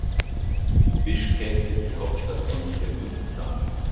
Bischkek ist die Hauptstadt von Kirgisistan.